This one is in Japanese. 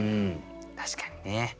確かにね。